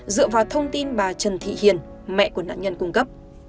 dựa vào thông tin bà trần thị hiền mẹ của nạn nhân cung cấp